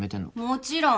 もちろん！